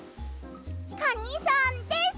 カニさんです！